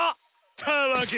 たわけ。